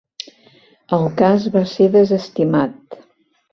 El cas va ser desestimat.